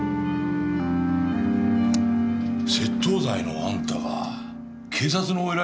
窃盗罪のあんたが警察のお偉